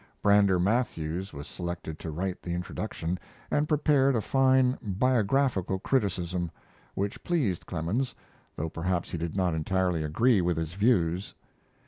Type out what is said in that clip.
Brander Matthews was selected to write the Introduction and prepared a fine "Biographical Criticism," which pleased Clemens, though perhaps he did not entirely agree with its views.